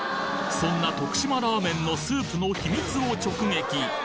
そんな徳島ラーメンのスープの秘密を直撃！